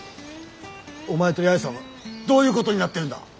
お前と八重さんはどういうことになってるんだ。